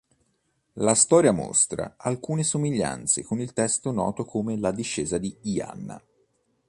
La storia mostra alcune somiglianze con il testo noto come "La discesa di Inanna".